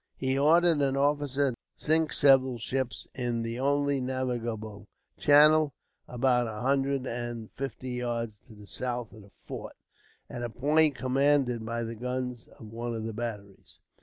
He ordered an officer to sink several ships in the only navigable channel, about a hundred and fifty yards to the south of the fort, at a point commanded by the guns of one of the batteries.